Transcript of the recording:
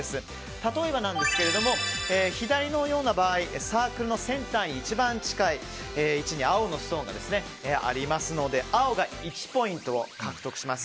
例えば、左のような場合サークルのセンターに一番近い位置に青のストーンがあおりますので青が１ポイントを獲得します。